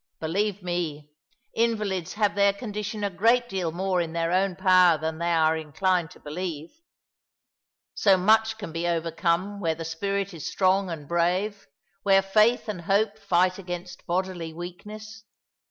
Believe me, invalids have their condition a great deal more in their own power than they are inclined to believe. So much can be overcome where the spirit is strong and brave, where faith and hope fight against bodily weakness.